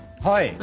はい！